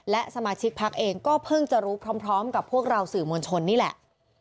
และสมาชิกพักเองก็เพิ่งจะรู้พร้อมกับพวกเราสื่อมวลชนนี่แหละ